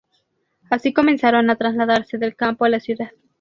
Así comenzaron a trasladarse del campo a la ciudad.